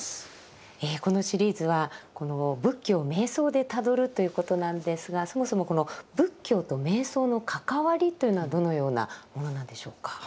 このシリーズは「仏教を瞑想でたどる」ということなんですがそもそもこの仏教と瞑想の関わりというのはどのようなものなんでしょうか。